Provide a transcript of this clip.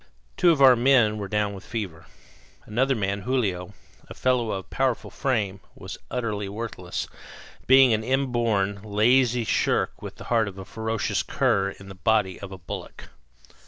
Two of our men were down with fever. Another man, Julio, a fellow of powerful frame, was utterly worthless, being an inborn, lazy shirk with the heart of a ferocious cur in the body of a bullock.